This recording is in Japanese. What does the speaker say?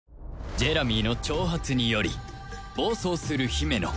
ジェラミーの挑発により暴走するヒメノ